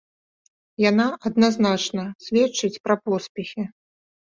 Яна адназначна сведчыць пра поспехі.